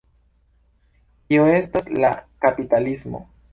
Kio estas la kapitalismo?